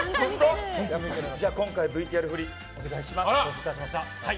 ＶＴＲ振り、お願いします。